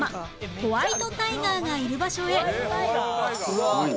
ホワイトタイガーがいる場所へ